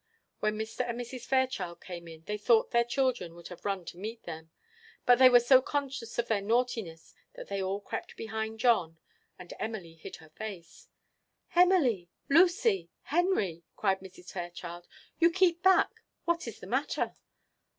When Mr. and Mrs. Fairchild came in, they thought their children would have run to meet them; but they were so conscious of their naughtiness that they all crept behind John, and Emily hid her face. "Emily, Lucy, Henry!" said Mrs. Fairchild, "you keep back; what is the matter?"